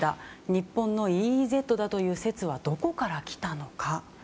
日本のＥＥＺだという説はどこから来たのか。